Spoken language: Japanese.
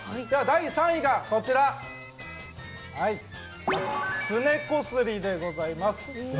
第３位が、すねこすりでございます。